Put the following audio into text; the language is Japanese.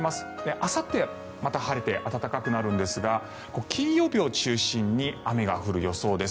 あさって、また晴れて暖かくなるんですが金曜日を中心に雨が降る予想です。